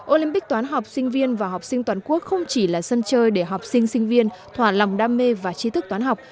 olympic toán học sinh viên và học sinh toàn quốc không chỉ là sân chơi để học sinh sinh viên thỏa lòng đam mê và chi thức toán học